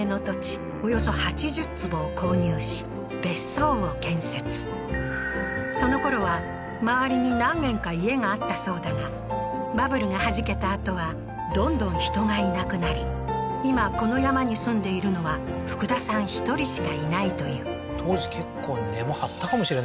およそ８０坪を購入し別荘を建設そのころは周りに何軒か家があったそうだがバブルがはじけたあとはどんどん人がいなくなり今この山に住んでいるのは福田さん１人しかいないという当時結構値は張ったかもしれないですね